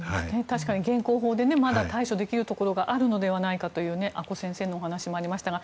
現行法でまだ対処できるところがあるのではないかという阿古先生のお話もありましたが。